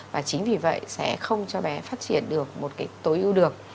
và chính vì vậy sẽ không cho bé phát triển được một cái tối ưu được